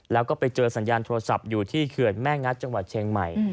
แล้วก็ไปเจอสัญญาณโทรศัพท์อยู่ที่เขื่อนแม่งัดจังหวัดเชียงใหม่